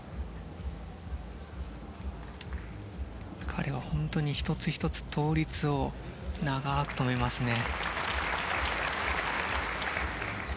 彼は本当に１つ１つ、倒立を長く止めますね。